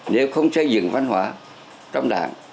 nếu không xây dựng văn hóa trong đảng